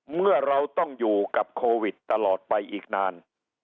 เมื่อเราต้องอยู่กับโควิดตลอดไปอีกนาน